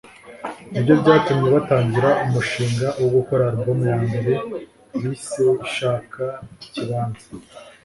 nibyo byatumye batangira umushinga wo gukora album ya mbere bise “Shaka Ikibanza”